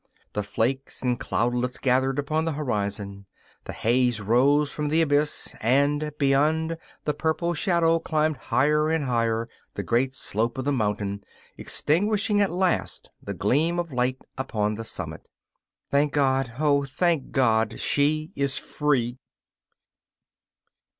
The flakes and cloudlets gathered upon the horizon; the haze rose from the abyss and, beyond, the purple shadow climbed higher and higher, the great slope of the mountain, extinguishing at last the gleam of light upon the summit. Thank God, oh, thank God, she is free!